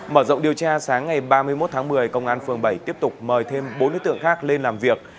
mở rộng điều tra sáng ngày ba mươi một tháng một mươi công an phường bảy tiếp tục mời thêm bốn đối tượng khác lên làm việc